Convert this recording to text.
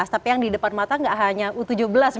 tapi yang di depan mata nggak hanya u tujuh belas